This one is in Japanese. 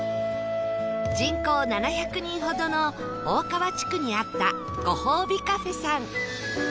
人口７００人ほどの大川地区にあったごぼうび ｃａｆｅ さん